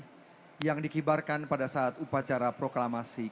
hadap kanan hadap kiri